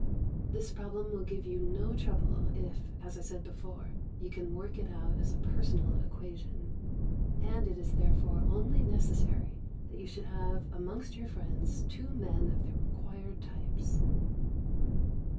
This problem will give you no trouble if, as I said before, you can work it out as a personal equation, and it is therefore only necessary that you should have amongst your friends two men of the required types.